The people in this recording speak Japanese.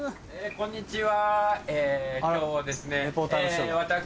こんにちは。